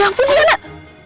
ya ampun si anak